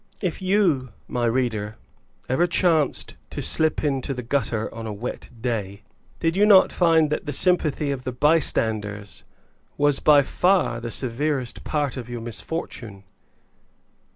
If you, my reader, ever chanced to slip into the gutter on a wet day, did you not find that the sympathy of the bystanders was by far the severest part of your misfortune?